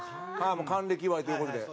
還暦祝いという事で。